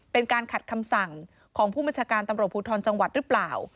เป็นการขัดคำสั่งของผู้บัญชาการตำรวจภูทรจังหวัดหรือเปล่า